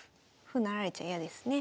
歩成られちゃ嫌ですね。